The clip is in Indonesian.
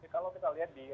kalau kita lihat di